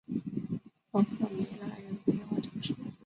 洛克梅拉人口变化图示